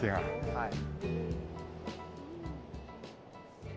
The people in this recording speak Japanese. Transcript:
はい。